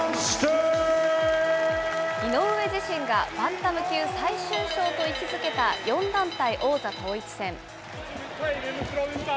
井上自身が、バンタム級最終章と位置づけた４団体王座統一戦。